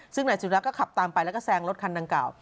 ซึ่งในสิงหรัฐก็ขับตามไปแล้วก็แทรงรถคันดังเก่า